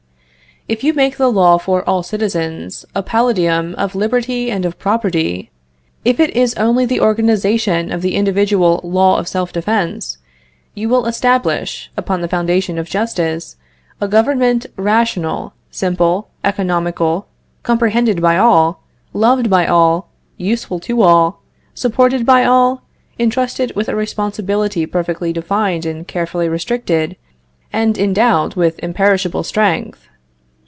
If you make the law for all citizens a palladium of liberty and of property; if it is only the organization of the individual law of self defense, you will establish, upon the foundation of justice, a government rational, simple, economical, comprehended by all, loved by all, useful to all, supported by all, entrusted with a responsibility perfectly defined and carefully restricted, and endowed with imperishable strength.